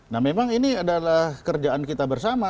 nah memang ini adalah kerjaan kita bersama